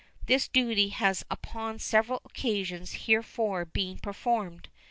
This duty has upon several occasions heretofore been performed.